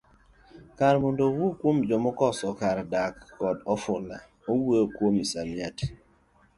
Kar mondo owuo kuom joma okoso kar dak koda ofula, owuoyo kuom msamiati.